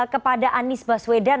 kepada anies waswedan